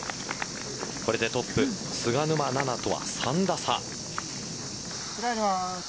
これでトップ・菅沼菜々とは３打差。